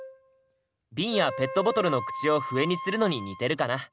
ビンやペットボトルの口を笛にするのに似てるかな。